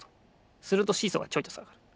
するとシーソーがちょいとさがる。